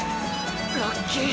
ラッキー！